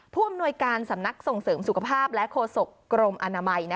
ผู้อำนวยการสำนักส่งเสริมสุขภาพและโฆษกรมอนามัย